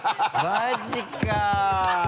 マジか。